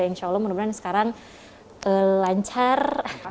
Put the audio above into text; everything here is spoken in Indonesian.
insya allah menurut saya sekarang lancar